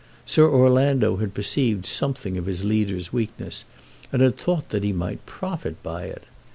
Sir Orlando had perceived something of his Leader's weakness, and had thought that he might profit by it.